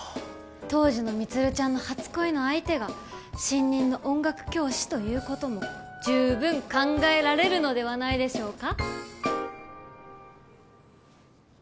当時の充ちゃんの初恋の相手が新任の音楽教師ということも十分考えられるのではないでしょうか。